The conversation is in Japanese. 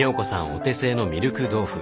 お手製のミルク豆腐